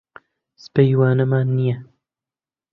سبەی وانەمان نییە.